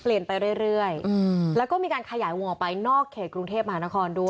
เปลี่ยนไปเรื่อยเรื่อยอืมแล้วก็มีการขยายวงออกไปนอกเขตกรุงเทพมหานครด้วย